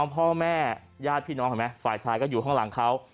พ่อแม่ญาติพี่น้องเห็นไหมฝ่ายชายก็อยู่ข้างหลังเขา